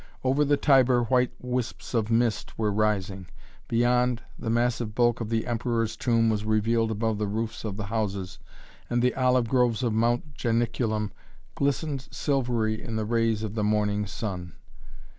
Over the Tiber white wisps of mist were rising. Beyond, the massive bulk of the Emperor's Tomb was revealed above the roofs of the houses, and the olive groves of Mount Janiculum glistened silvery in the rays of the morning sun.